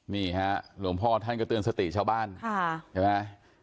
นี่ฮะหลวงพ่อท่านก็เตือนสติชาวบ้านใช่ไหม